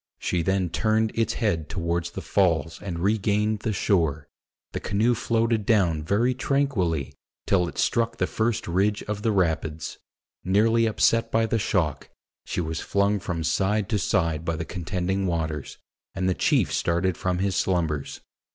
She then turned its head toward the Falls and regained the shore. The canoe floated down very tranquilly till it struck the first ridge of the rapids. Nearly upset by the shock, she was flung from side to side by the contending waters, and the chief started from his slumbers.